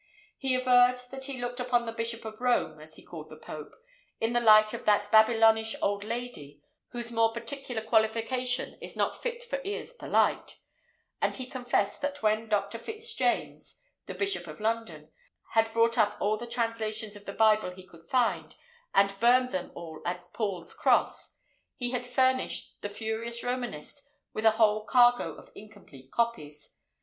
He averred that he looked upon the Bishop of Rome, as he called the pope, in the light of that Babylonish old lady whose more particular qualification is not fit for ears polite; and he confessed that when Dr. Fitz James, the Bishop of London, had bought up all the translations of the Bible he could find, and burnt them all at Paul's Cross, he had furnished the furious Romanist with a whole cargo of incomplete copies.